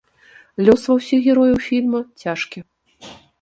Лёс ва ўсіх герояў фільма цяжкі.